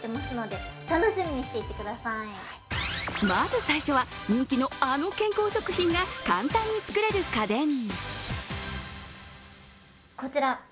まず最初は、人気のあの健康食品が簡単に作れる家電。